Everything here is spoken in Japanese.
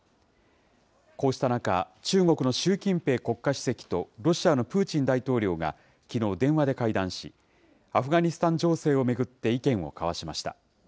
こうした中、中国の習近平国家主席とロシアのプーチン大統領が、きのう、電話で会談し、アフガニスタン情勢を巡って意見を交わしました。